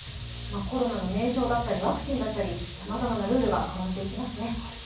コロナの名称だったりワクチンだったり、さまざまなルールが変わっていきますね。